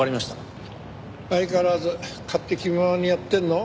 相変わらず勝手気ままにやってんの？